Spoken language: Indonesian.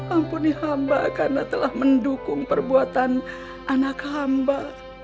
ampuni hamba karena telah mendukung perbuatan anak hamba